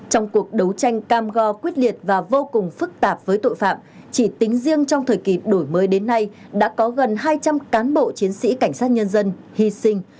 trong cuộc đấu tranh cam go quyết liệt và vô cùng phức tạp với tội phạm chỉ tính riêng trong thời kỳ đổi mới đến nay đã có gần hai trăm linh cán bộ chiến sĩ cảnh sát nhân dân hy sinh